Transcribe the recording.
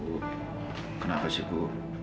bu kenapa sih bu